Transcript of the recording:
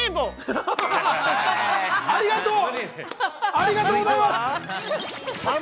◆ありがとう。